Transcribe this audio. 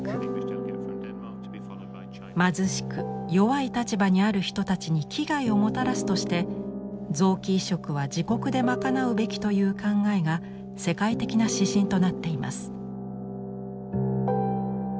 貧しく弱い立場にある人たちに危害をもたらすとして「臓器移植は自国で賄うべき」という考えが世界的な指針となっています。